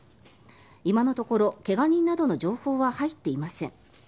今のところ、怪我人などの情報は入っていません。